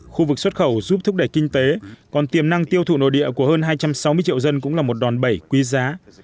khu vực xuất khẩu giúp thúc đẩy kinh tế còn tiềm năng tiêu thụ nội địa của hơn hai trăm sáu mươi triệu dân cũng là một đòn bẩy quý giá